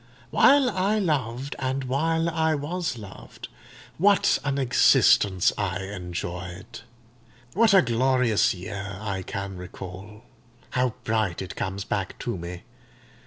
While I loved, and while I was loved, what an existence I enjoyed! What a glorious year I can recall—how bright it comes back to me!